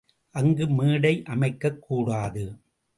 அங்கு, மேடை அமைக்கக் கூடாது.